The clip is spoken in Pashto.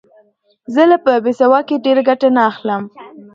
زه له په سواد کښي ډېره ګټه نه اخلم.